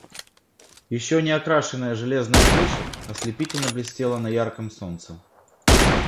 Еще не окрашенная железная крыша ослепительно блестела на ярком солнце.